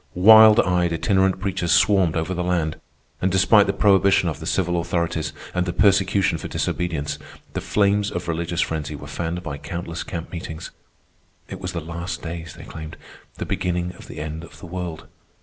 Wild eyed itinerant preachers swarmed over the land; and despite the prohibition of the civil authorities, and the persecution for disobedience, the flames of religious frenzy were fanned by countless camp meetings. It was the last days, they claimed, the beginning of the end of the world.